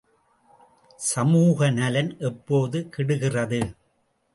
சமூக நலன் எப்போது கெடுகிறது?